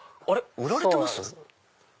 売られてます？